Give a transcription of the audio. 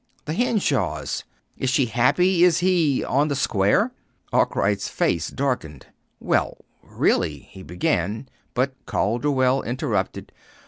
"The Henshaws. Is she happy? Is he on the square?" Arkwright's face darkened. "Well, really," he began; but Calderwell interrupted.